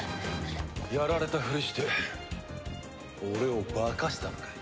やられたふりして俺を化かしたのか？